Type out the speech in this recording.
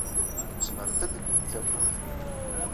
Zemrent ad ledyent tawwurt.